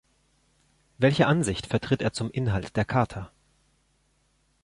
Welche Ansicht vertritt er zum Inhalt der Charta?